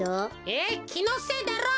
えっ？きのせいだろ。